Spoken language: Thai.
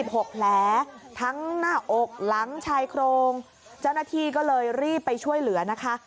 หกแผลทั้งหน้าอกหลังชายโครงเจ้าหน้าที่ก็เลยรีบไปช่วยเหลือนะคะ